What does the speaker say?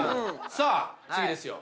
さあ次ですよ。